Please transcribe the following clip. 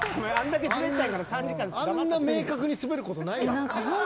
あんな明確に滑ることないよ。